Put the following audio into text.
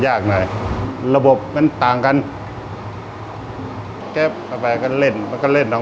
สวัสดีครับผมชื่อสามารถชานุบาลชื่อเล่นว่าขิงถ่ายหนังสุ่นแห่ง